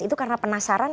itu karena penasaran